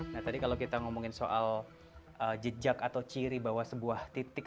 nah tadi kalau kita ngomongin soal jejak atau ciri bahwa sebuah titik